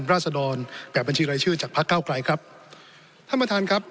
ราศดรแบบบัญชีรายชื่อจากพักเก้าไกลครับท่านประธานครับ